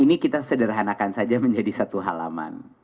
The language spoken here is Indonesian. ini kita sederhanakan saja menjadi satu halaman